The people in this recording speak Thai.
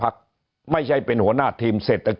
หนี้ครัวเรือนก็คือชาวบ้านเราเป็นหนี้มากกว่าทุกยุคที่ผ่านมาครับ